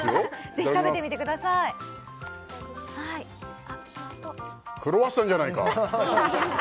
ぜひ食べてみてくださいクロワッサンじゃないか！